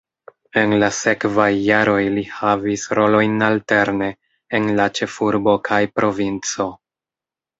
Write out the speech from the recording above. En la sekvaj jaroj li havis rolojn alterne en la ĉefurbo kaj provinco.